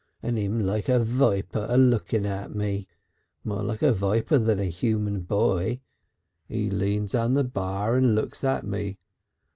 And him like a viper a looking at me more like a viper than a human boy. He leans on the bar and looks at me.